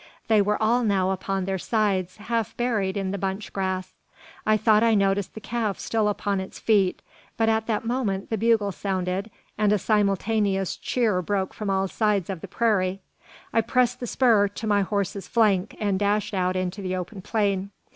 They were all now upon their sides, half buried in the bunch grass. I thought I noticed the calf still upon its feet; but at that moment the bugle sounded, and a simultaneous cheer broke from all sides of the prairie. I pressed the spur to my horse's flank, and dashed out into the open plain.